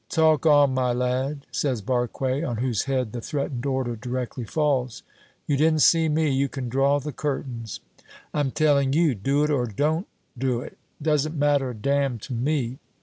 "Talk on, my lad," says Barque, on whose head the threatened order directly falls; "you didn't see me! You can draw the curtains!" "I'm telling you. Do it or don't do it doesn't matter a damn to me."